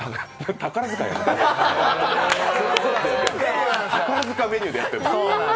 宝塚メニューでやってる。